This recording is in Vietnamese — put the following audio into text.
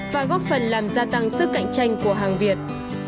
và góp phần làm gia tăng sức cạnh tranh của hàng việt